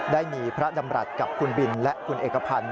ได้มีพระดำรัฐกับคุณบินและคุณเอกพันธ์